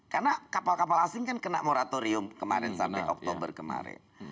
karena kapal kapal asing kan kena moratorium kemarin sampai oktober kemarin